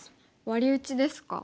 ワリ打ちですか。